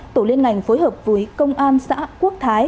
tổ liên ngành phối hợp với công an xã quốc thái